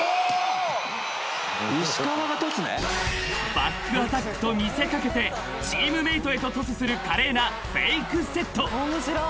［バックアタックと見せかけてチームメートへとトスする華麗な］